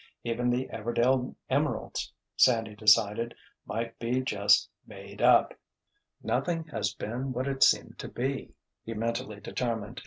Even the Everdail Emeralds, Sandy decided, might be just "made up." "Nothing has been what it seemed to be," he mentally determined.